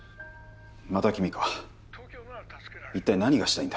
また君か一体何がしたいんだ？